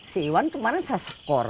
si iwan kemarin saya skor